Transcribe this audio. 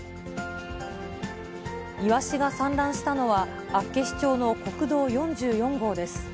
イワシが散乱したのは、厚岸町の国道４４号です。